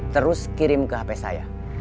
terus kirim ke hp saya